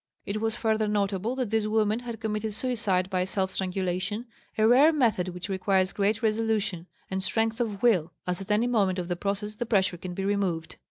It was further notable that this woman had committed suicide by self strangulation, a rare method which requires great resolution and strength of will, as at any moment of the process the pressure can be removed.